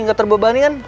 gak terbebani kan